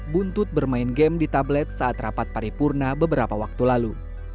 buntut bermain game di tablet saat rapat paripurna beberapa waktu lalu